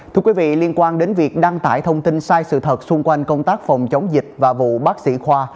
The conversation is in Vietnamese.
thưa quý vị liên quan đến việc đăng tải thông tin sai sự thật xung quanh công tác phòng chống dịch và vụ bác sĩ khoa